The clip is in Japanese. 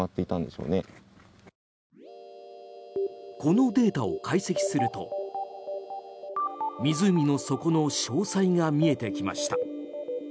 このデータを解析すると湖の底の詳細が見えてきました。